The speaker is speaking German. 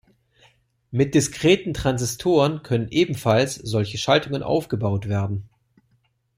Mit diskreten Transistoren können ebenfalls solche Schaltungen aufgebaut werden.